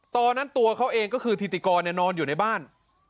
ตอนนั้นตัวเขาเองก็คือถิติกรเนี่ยนอนอยู่ในบ้าน